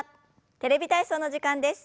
「テレビ体操」の時間です。